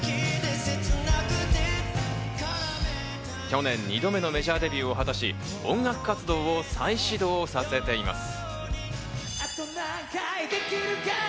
去年２度目のメジャーデビューを果たし、音楽活動を再始動させています。